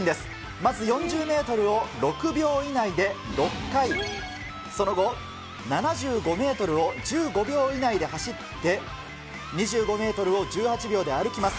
まず４０メートルを６秒以内で６回、その後、７５メートルを１５秒以内で走って、２５メートルを１８秒で歩きます。